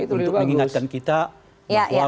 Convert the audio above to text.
untuk mengingatkan kita bahwa